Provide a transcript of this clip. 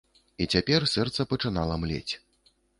І цяпер сэрца пачынала млець.